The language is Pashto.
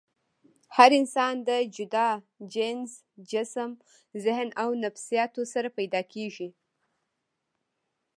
هر انسان د جدا جينز ، جسم ، ذهن او نفسياتو سره پېدا کيږي